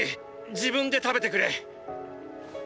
自分で食べてくれ。